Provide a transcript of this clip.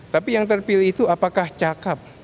tapi yang terpilih itu apakah cakep